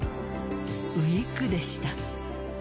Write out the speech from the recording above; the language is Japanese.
ウィッグでした。